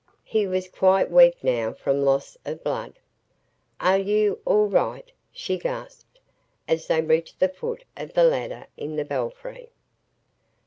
He was quite weak now from loss of blood. "Are you all right?" she gasped, as they reached the foot of the ladder in the belfry.